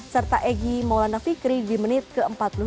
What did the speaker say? serta egy maulana fikri di menit ke empat puluh dua